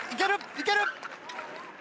いける！